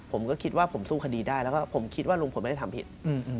ผมก็คิดว่าผมสู้คดีได้แล้วก็ผมคิดว่าลุงพลไม่ได้ทำผิด